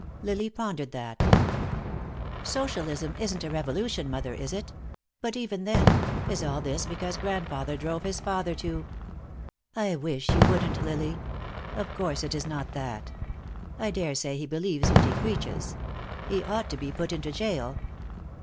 Lily pondered that. "Socialism isn't revolution, mother, is it? But even then is all this because grandfather drove his father to " "I wish you wouldn't, Lily. Of course it is not that. I daresay he believes what he preaches. He ought to be put into jail.